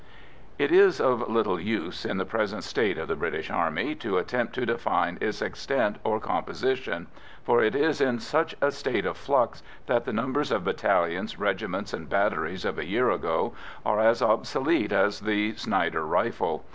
It is of little use, in the present state of the British Army, to attempt to define its extent or composition, for it is in such a state of flux that the numbers of battalions, regiments, and batteries of a year ago are as obsolete as the Snider rifle.